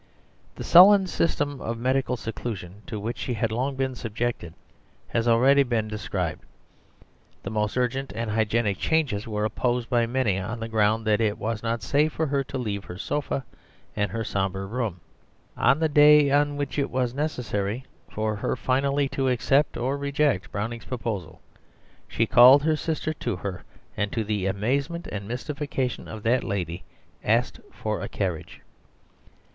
The sullen system of medical seclusion to which she had long been subjected has already been described. The most urgent and hygienic changes were opposed by many on the ground that it was not safe for her to leave her sofa and her sombre room. On the day on which it was necessary for her finally to accept or reject Browning's proposal, she called her sister to her, and to the amazement and mystification of that lady asked for a carriage.